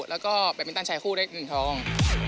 แล้วก็แบตมินตันชายคู่ได้๑ทอง